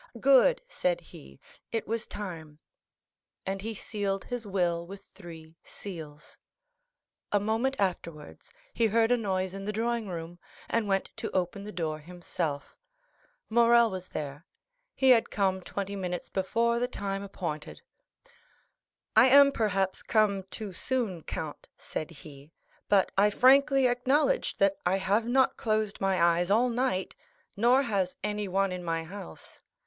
"Good," said he; "it was time,"—and he sealed his will with three seals. A moment afterwards he heard a noise in the drawing room, and went to open the door himself. Morrel was there; he had come twenty minutes before the time appointed. "I am perhaps come too soon, count," said he, "but I frankly acknowledge that I have not closed my eyes all night, nor has anyone in my house.